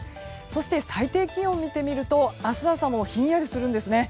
そして、最低気温を見てみると明日朝もひんやりするんですね。